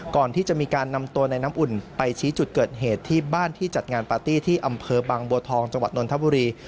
ก่อนที่จะมีการนำตัวในน้ำอุ่นไปชี้จุดเกิดเหตุที่บ้านที่จัดงานปาร์ตี้ที่อำเภอบางบัวทองจังหวัดนทบุรี